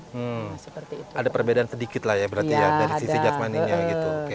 hmm ada perbedaan sedikit lah ya berarti ya dari sisi jakmaninya gitu